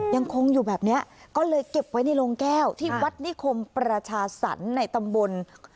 ยังคงอยู่แบบนี้ก็เลยเก็บไว้ในโรงแก้วที่วัดนิคมประชาสรรค์ในตำบล